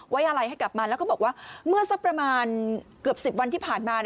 ไว้อะไรให้กลับมาแล้วก็บอกว่าเมื่อสักประมาณเกือบ๑๐วันที่ผ่านมา